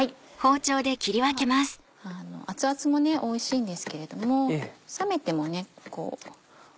熱々もおいしいんですけれども冷めてもおいしく。